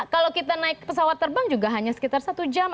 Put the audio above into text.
kalau kita naik pesawat terbang juga hanya sekitar satu jam